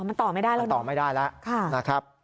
มันต่อไม่ได้แล้วมันต่อไม่ได้แล้วนะครับ